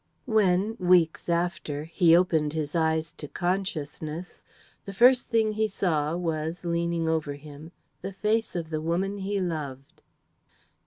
When, weeks after, he opened his eyes to consciousness, the first thing he saw was, leaning over him, the face of the woman he loved.